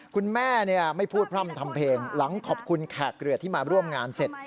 คุณแม่ไม่พูดพร่ำทำเพลงหลังขอบคุณแขกเรือที่มาร่วมงานเสร็จ